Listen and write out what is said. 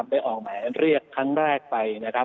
ได้ออกแหมเลียกครั้งแรกไป